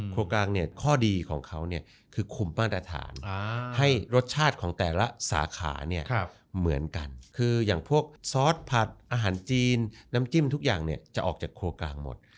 กลางเนี่ยข้อดีของเขาเนี่ยคือคุมมาตรฐานให้รสชาติของแต่ละสาขาเนี่ยเหมือนกันคืออย่างพวกซอสผัดอาหารจีนน้ำจิ้มทุกอย่างเนี่ยจะออกจากครัวกลางหมด